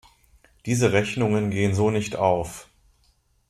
Diese Rechnungen gehen so nicht auf.